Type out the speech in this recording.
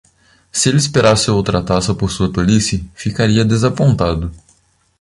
Se ele esperasse outra taça por sua tolice, ficaria desapontado!